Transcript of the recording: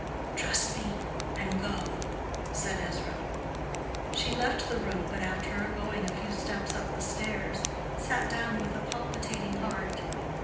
"Trust me, and go," said Ezra. She left the room, but after going a few steps up the stairs, sat down with a palpitating heart.